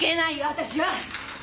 私は！